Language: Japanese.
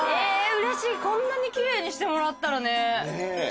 うれしいこんなに奇麗にしてもらったらね。